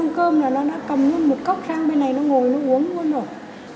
xong cơm là nó đã cầm luôn một cốc sang bên này nó ngồi nó uống luôn rồi